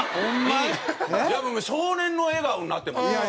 もう少年の笑顔になってますよ。